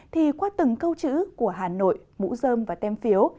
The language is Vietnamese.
thì qua từng câu chữ của hà nội mũ dơm và tem phiếu